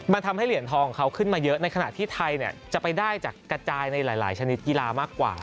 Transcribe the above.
มันทำให้เหรียญทองเขาขึ้นมาเยอะในขณะที่ไทยจะไปได้จากกระจายในหลายชนิดกีฬามากกว่า